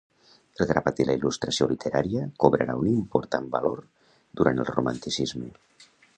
El gravat i la il·lustració literària cobrarà un important valor durant el romanticisme.